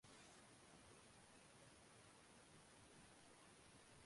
皇后林荫路线设有四条重叠的路线。